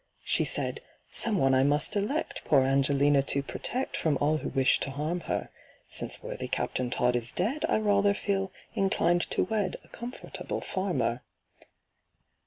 She said, "Some one I must elect Poor ANGELINA to protect From all who wish to harm her. Since worthy CAPTAIN TODD is dead, I rather feel inclined to wed A comfortable farmer."